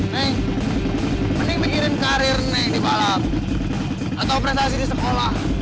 mei mending mikirin karir nih di balap atau prestasi di sekolah